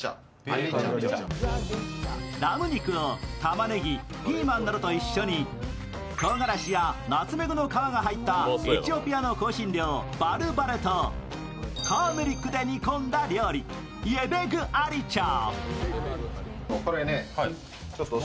ラム肉をたまねぎ、ピーマンなどと一緒にとうがらしやナツメグの皮が入ったエチオピアの香辛料、バルバレとターメリックで煮込んだ料理、イェベグアリチャ。